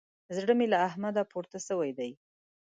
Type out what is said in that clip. زړه مې له احمده پورته سوی دی.